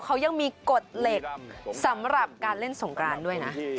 เขายังมีกฎเหล็กสำหรับการเล่นสงกรานด้วยนะ